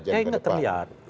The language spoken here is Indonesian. ya yang nggak terlihat